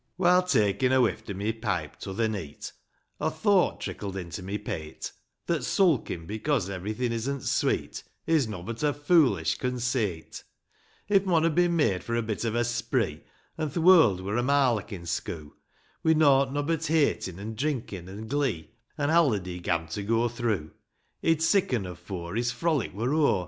HILE takin' a wift o' my pipe, t'other neet, A thowt trickled into my pate, That sulkin' becose everything isn't sweet, Is nobbut a fooHsh consate ;' If mon had bin made for a bit of a spree, An' th' world were a marlockin' schoo','' Wi' nought nobbut heytin', an' drinkin', an' glee, An' haliday gam^ to go through, He'd sicken afore His frolic were o'er.